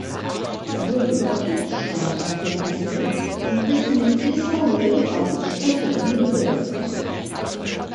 Er wurde über Kickstarter finanziert und ist mit Issa Rae als Sprecherin besetzt.